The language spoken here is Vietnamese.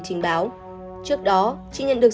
trình báo trước đó chị nhận được